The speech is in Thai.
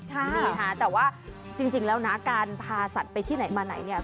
ใช่ค่ะแต่ว่าจริงแล้วนะการพาสัตว์ไปที่ไหนมาไหนเนี่ย